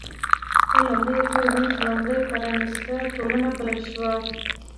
په لومړیو کې وینز لومړۍ پرانېسته ټولنه وبلل شوه.